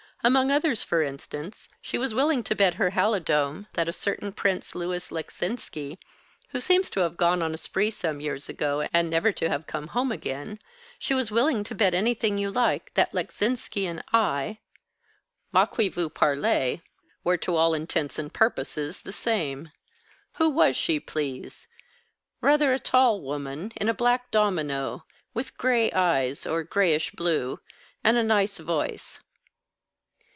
Among others, for instance, she was willing to bet her halidome that a certain Prince Louis Leczinski, who seems to have gone on the spree some years ago, and never to have come home again she was willing to bet anything you like that Leczinski and I moi qui vous parle were to all intents and purposes the same. Who was she, please? Rather a tall woman, in a black domino, with gray eyes, or grayish blue, and a nice voice."